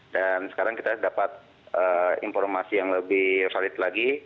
dan sekarang kita dapat informasi yang lebih valid lagi